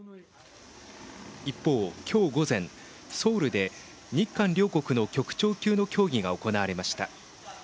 一方、今日午前ソウルで日韓両国の局長級の協議が行われました。